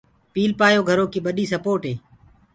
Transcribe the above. پيٚلپآيو گھرو ڪي ٻڏي سپوٽ هي۔